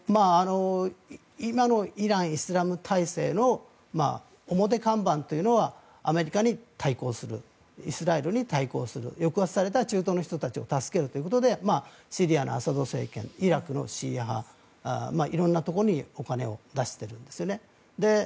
今のイラン・イスラム体制の表看板というのはアメリカに対抗するイスラエルに対抗する抑圧された中東の人たちを助けるということでシリアのアサド政権シーア派色んなところにお金を出しているんですね。